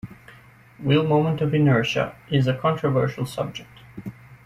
Wheel moment of inertia is a controversial subject.